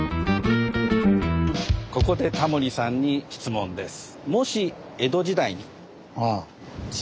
ここでタモリさんに質問です。